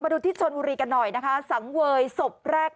มาดูที่ฉณภรีกันหน่อยนะคะสังเวยหรือศพแรก